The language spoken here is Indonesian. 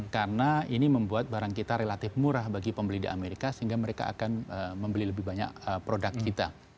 karena ini membuat barang kita relatif murah bagi pembeli di amerika sehingga mereka akan membeli lebih banyak produk kita